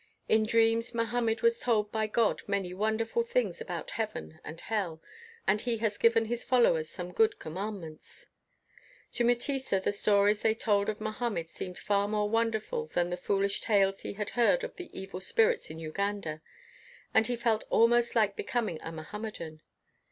In dreams Mohammed was told by God many wonderful things about heaven and hell, and he has given his fol lowers some good commandments." To Mutesa the stories they told of Mohammed seemed far more wonderful than the foolish tales he had heard of the evil spirits in Uganda; and he felt almost like becoming a Mohammedan.